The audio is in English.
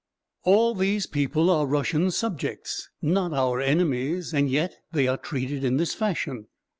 All these people are Russian subjects, not our enemies, and yet they are treated in this fashion.